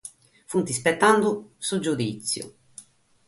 Sunt isetende su giudìtziu.